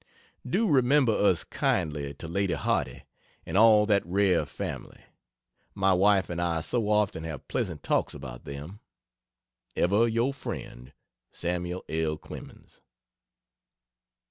Do remember us kindly to Lady Hardy and all that rare family my wife and I so often have pleasant talks about them. Ever your friend, SAML. L. CLEMENS.